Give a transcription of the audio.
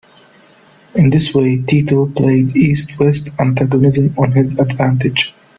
In this way, Tito played East-West antagonism to his advantage.